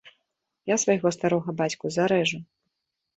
Я свайго старога бацьку зарэжу!